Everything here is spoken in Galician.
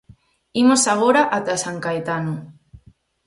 Imos agora ata San Caetano.